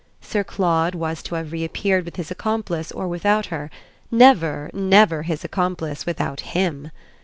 Sir Claude was to have reappeared with his accomplice or without her; never, never his accomplice without HIM.